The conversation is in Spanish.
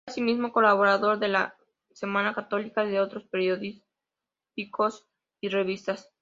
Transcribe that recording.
Fue asimismo colaborador de "La Semana Católica" y de otros periódicos y revistas.